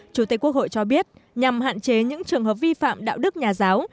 chủ tịch quốc hội cho biết nhằm hạn chế những trường hợp vi phạm đạo đức nhà giáo